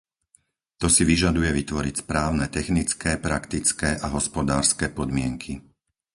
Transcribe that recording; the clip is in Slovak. To si vyžaduje vytvoriť správne technické, praktické a hospodárske podmienky.